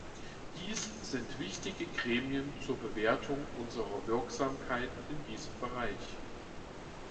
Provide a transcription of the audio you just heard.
Dies sind wichtige Gremien zur Bewertung unserer Wirksamkeit in diesem Bereich.